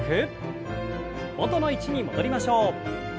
元の位置に戻りましょう。